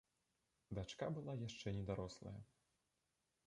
Дачка была яшчэ недарослая.